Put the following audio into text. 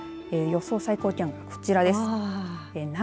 予想最高気温、こちらです。